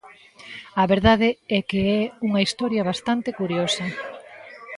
A verdade é que é unha historia bastante curiosa.